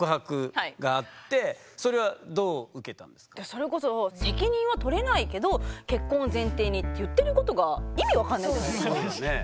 それこそ「責任は取れないけど結婚を前提に」って言ってることが意味分かんないじゃないですか。